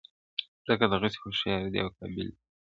ځکه دغسي هوښیار دی او قابِل دی,